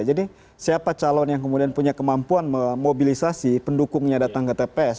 jadi siapa calon yang kemudian punya kemampuan memobilisasi pendukungnya datang ke tps